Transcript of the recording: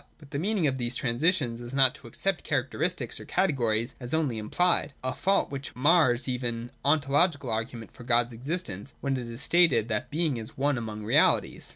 But the meaning of these transitions is not to accept characteristics or categories, as only implied ;— a fault which mars even the Ontological argument for God's existence, when it is stated that being is one I93 J NOTION AND OBJECT. 331 among realities.